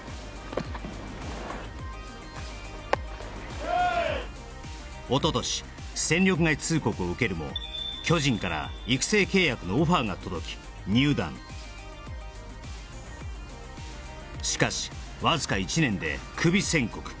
そんなもうおととし戦力外通告を受けるも巨人から育成契約のオファーが届き入団しかしわずか１年でクビ宣告